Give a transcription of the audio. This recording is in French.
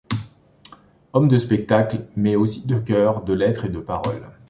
Homme de spectacle, mais aussi de cœur, de lettres et de parole.